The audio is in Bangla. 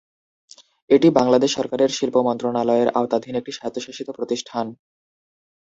এটি বাংলাদেশ সরকারের শিল্প মন্ত্রণালয়ের আওতাধীন একটি স্বায়ত্তশাসিত প্রতিষ্ঠান।